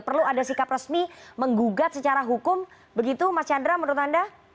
perlu ada sikap resmi menggugat secara hukum begitu mas chandra menurut anda